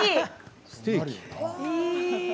ステーキ。